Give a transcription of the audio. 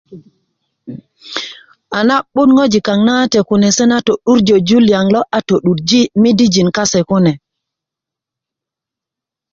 a na'but ŋojilk kaaŋ nawate kune se na to'durjö jur liyaŋ lo a to'durji' midijin kase kune